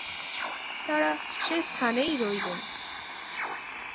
তারা সে স্থানেই রইলেন।